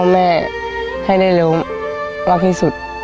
แม่ให้ได้รู้ว่าคิดสุด